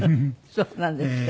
そうなんですか？